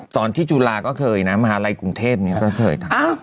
ตอนที่จุฬาก็เคยนะมหาลัยกรุงเทพเนี่ยก็เคยทำ